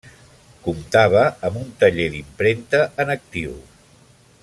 Comptava amb un taller d'impremta en actiu.